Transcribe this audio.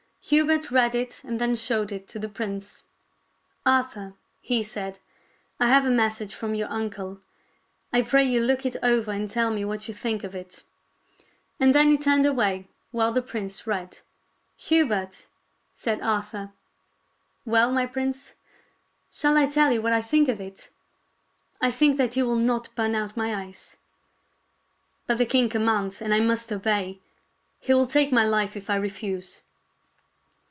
Hubert read it and then showed it to the prince. " Arthur," he said, " I have a message from your uncle. I pray you look it over and tell me what you think of it ;" and then he turned away while the prince read. " Hubert !" said Arthur. " Well, my prince !" KING JOHN AND PRINCE ARTHUR 115 " Shall I tell you what I think of it ? I think that you will not burn out my eyes." " But the king commands, and I must obey. He will take my life if I refuse."